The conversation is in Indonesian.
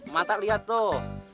mata liat tuh